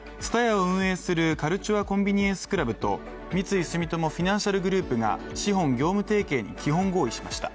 ＴＳＵＴＡＹＡを運営するカルチュア・コンビニエンス・クラブと三井住友フィナンシャルグループが資本業務提携に基本合意しました。